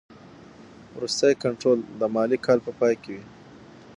وروستی کنټرول د مالي کال په پای کې وي.